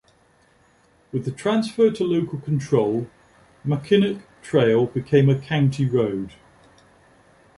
With the transfer to local control, Mackinac Trail became a county road.